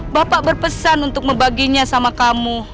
bapak berpesan untuk membaginya sama kamu